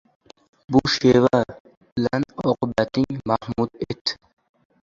Bu sheva bilan oqibating mahmud et.